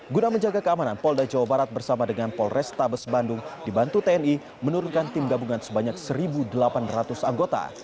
guna menjaga keamanan pol dajawabarat bersama dengan pol restabes bandung dibantu tni menurunkan tim gabungan sebanyak satu delapan ratus anggota